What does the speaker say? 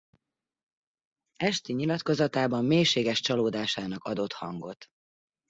Esti nyilatkozatában mélységes csalódásának adott hangot.